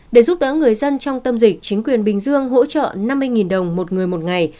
để giúp đỡ người dân trong tâm dịch chính quyền bình dương hỗ trợ năm mươi đồng một người một ngày